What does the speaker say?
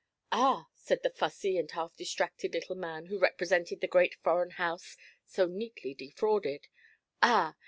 'Ah!' said the fussy and half distracted little man who represented the great foreign house so neatly defrauded, 'Ah!